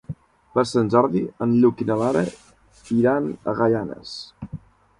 Per Sant Jordi en Lluc i na Lara iran a Gaianes.